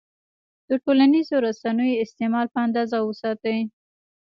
د ټولنیزو رسنیو استعمال په اندازه وساتئ.